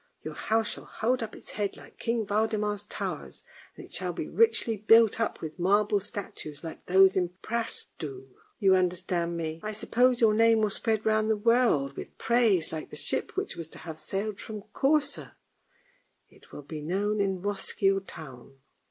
Your house shall hold up its head like King Waldemar's towers, and it shall be richly built up with marble statues, like those in Presto. You understand me, I suppose. Your name will spread round the world with praise, like the ship which was to have sailed from Korsoer; and it will be known in Roeskilde town."